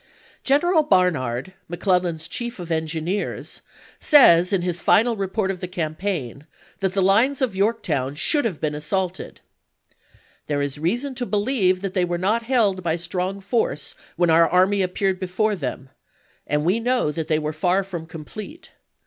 pp. 346, 347. General Barnard, McClellan's chief of engineers, says in his final report of the campaign that the lines of Yorktown should have been assaulted: There is reason to believe that they were not held by strong force when our army appeared before them, and we know that they were far from complete.